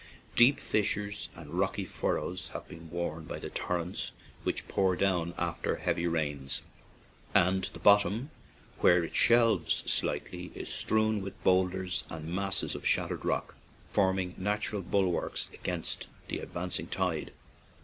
Deep fissures and rocky fur rows have been worn by the torrents which pour down after heavy rains, and the bottom, where it shelves slightly, is strewn with bowlders and masses of shattered rock, forming natural bulwarks against the advancing tide.